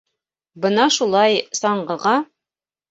Бына шулай, саңғыға...